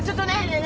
え